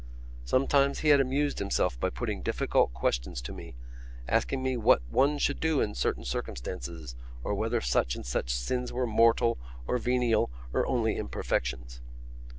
Sometimes he had amused himself by putting difficult questions to me, asking me what one should do in certain circumstances or whether such and such sins were mortal or venial or only imperfections.